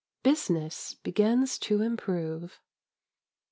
Business begins to improve.